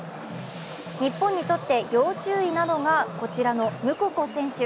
日本にとって要注意なのがこちらのムココ選手。